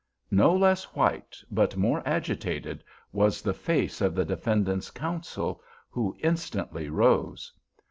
No less white, but more agitated, was the face of the defendant's counsel, who instantly rose.